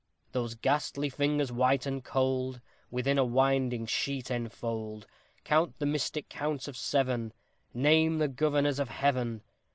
Those ghastly fingers white and cold, Within a winding sheet enfold; Count the mystic count of seven: Name the Governors of Heaven.